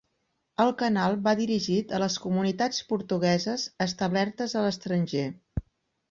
El canal va dirigit a les comunitats portugueses establertes a l'estranger.